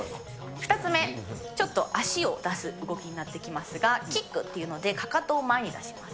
２つ目、ちょっと足を出す動きになってきますが、キックっていうので、かかとを前に出します。